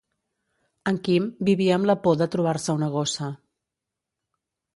En Quim vivia amb la por de trobar-se una gossa.